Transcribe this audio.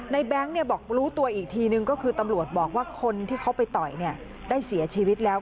แบงค์บอกรู้ตัวอีกทีนึงก็คือตำรวจบอกว่าคนที่เขาไปต่อยได้เสียชีวิตแล้ว